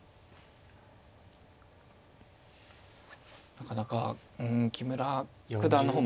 なかなか木村九段の方もね